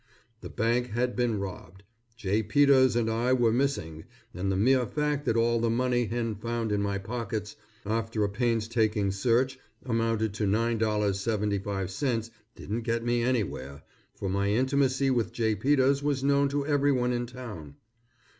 The bank had been robbed. J. Peters and I were missing, and the mere fact that all the money Hen found in my pockets after a painstaking search amounted to $9.75 didn't get me anywhere, for my intimacy with J. Peters was known to everyone in town.